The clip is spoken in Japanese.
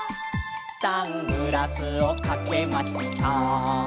「サングラスをかけました」